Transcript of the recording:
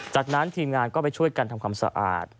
จากนั้นทีมงานก็ไปช่วยกันทำความสะอาด